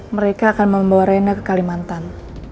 mereka akan membawa reina ke kalimantan